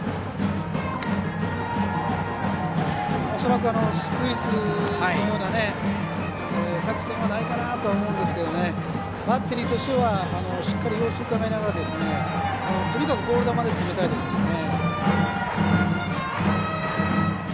恐らくスクイズのような作戦はないかなと思うんですけどバッテリーとしてはしっかり様子うかがいながらとにかくボール球で攻めたいところですね。